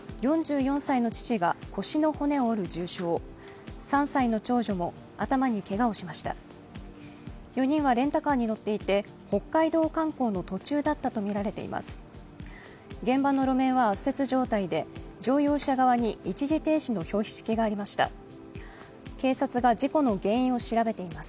４人はレンタカーに乗っていて北海道観光の途中だったとみられています。